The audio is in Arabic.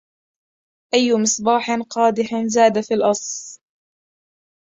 أيُّ مصباح قادحٍ زاد في الإص